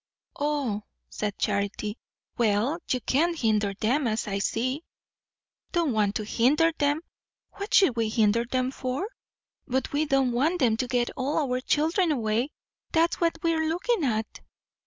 "Oh " said Charity. "Well, you can't hinder 'em, as I see." "Don't want to hinder 'em! What should we hinder 'em for? But we don't want 'em to get all our chil'en away; that's what we're lookin' at."